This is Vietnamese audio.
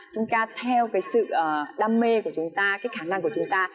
chúng ta theo cái sự đam mê của chúng ta cái khả năng của chúng ta